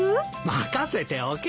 任せておけ。